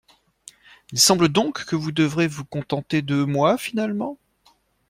Il semble donc que vous devrez vous contenter de moi finalement?